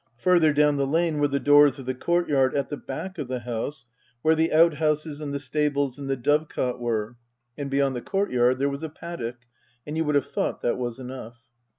Further down the lane were the doors of the courtyard at the back of the house where the out houses and the stables and the dovecot were ; and beyond the courtyard there was a paddock, and you would have thought that was enough.